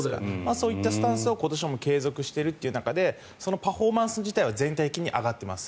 そういったスタンスを今年は継続しているという中でそのパフォーマンス自体は全体的に上がってます。